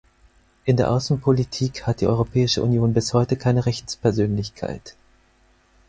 In der Außenpolitik hat die Europäische Union bis heute keine Rechtspersönlichkeit.